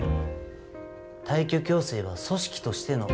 退去強制は組織としての決定です。